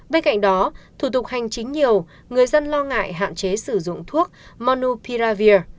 bên cạnh đó thủ tục hành chính nhiều người dân lo ngại hạn chế sử dụng thuốc monupiravir